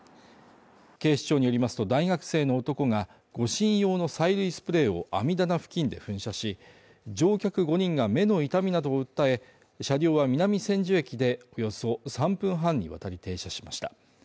警視庁によりますと大学生の男が、護身用の催涙スプレーを網棚付近で噴射し乗客５人が目の痛みなどを訴え、車両は南千住駅で、およそ３分半にわたり停車しました。